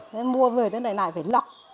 thế mua về thế này lại phải lọc